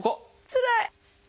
つらい！